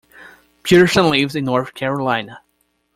Pearson lives in North Carolina.